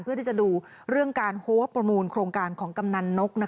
เพื่อที่จะดูเรื่องการหัวประมูลโครงการของกำนันนก